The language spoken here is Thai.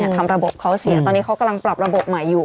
ทำระบบเขาเสียตอนนี้เขากำลังปรับระบบใหม่อยู่